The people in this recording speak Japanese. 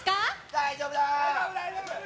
大丈夫だよ！